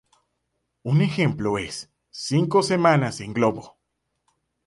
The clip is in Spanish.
Un ejemplo es "Cinco semanas en globo".